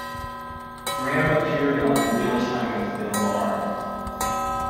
Graham appeared on "Real Time with Bill Maher".